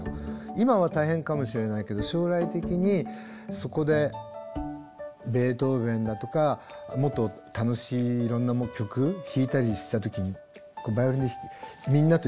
今は大変かもしれないけど将来的にそこでベートーヴェンだとかもっと楽しいいろんな曲弾いたりした時にバイオリンでみんなと一緒に演奏できる。